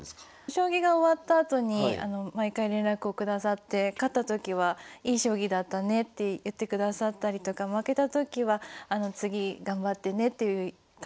将棋が終わったあとに毎回連絡を下さって勝ったときはいい将棋だったねって言ってくださったりとか負けたときは次頑張ってねという感じでしたね。